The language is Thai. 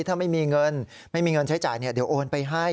ถ้าไม่มีเงินไม่มีเงินใช้จ่ายเดี๋ยวโอนไปให้